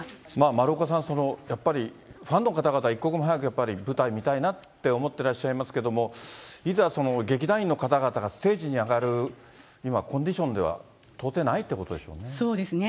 丸岡さん、やっぱりファンの方々、一刻も早く、やっぱり舞台見たいなって思ってらっしゃいますけども、いざ劇団員の方々がステージに上がる、今、コンディションでは、そうですね。